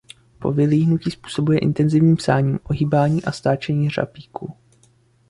Po vylíhnutí způsobuje intenzivním sáním ohýbání a stáčení řapíku.